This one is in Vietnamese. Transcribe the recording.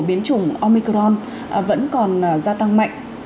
biến chủng omicron vẫn còn gia tăng mạnh